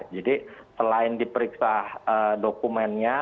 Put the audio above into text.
jadi selain diperiksa dokumennya